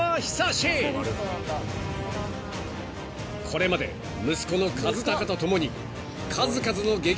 ［これまで息子の一孝と共に数々の激